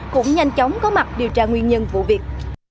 cũng nhanh chóng có mặt điều tra nguyên nhân vụ việc